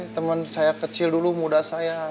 temen saya kecil dulu muda saya